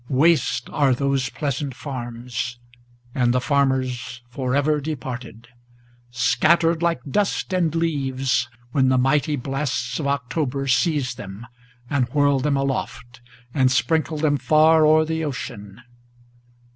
Waste are those pleasant farms, and the farmers forever departed! Scattered like dust and leaves, when the mighty blasts of October Seize them, and whirl them aloft, and sprinkle them far o'er the ocean.